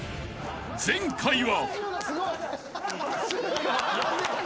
［前回は］